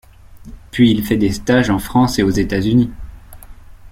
Puis il fait des stages en France et aux États-Unis.